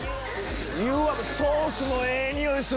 ソースのええ匂いする！